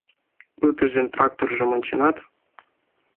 Утыжын тракторжым онченат?